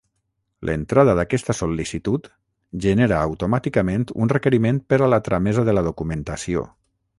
L'entrada d'aquesta sol·licitud genera automàticament un requeriment per a la tramesa de la documentació.